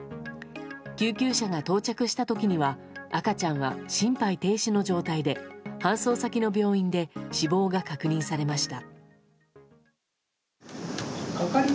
救急車が到着した時には赤ちゃんは心肺停止の状態で搬送先の病院で死亡が確認されました。